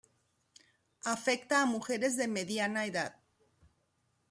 Afecta a mujeres de mediana edad.